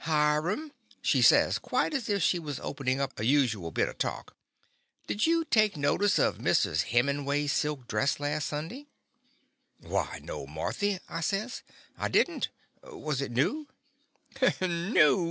"Hiram," she says, quite as if she was openin' up a usual bit of talk, "did you take notice of Mrs. Heming way's silk dress last Sunday?" "Why no, Marthy," I says, "I did n't. Was it new?' "New!"